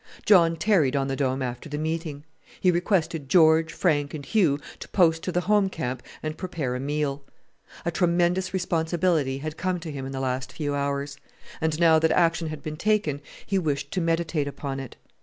John tarried on the Dome after the meeting. He requested George, Frank, and Hugh to post to the home camp and prepare a meal. A tremendous responsibility had come to him in the last few hours; and now that action had been taken he wished to meditate upon it.